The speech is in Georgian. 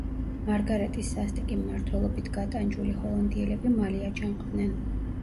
მარგარეტის სასტიკი მმართველობით გატანჯული ჰოლანდიელები მალე აჯანყდნენ.